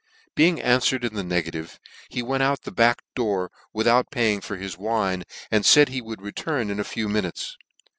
Being anfwered in the negative, he went out at the back door, without paying for his wine, and faid he would return in a few minutes.